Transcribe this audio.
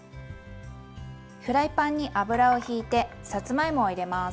フライパンに油をひいてさつまいもを入れます。